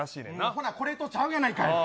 ほな、これとちゃうやないかい。